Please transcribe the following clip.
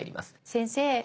先生。